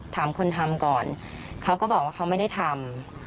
ถามคนทำก่อนเขาก็บอกว่าเขาไม่ได้ทำ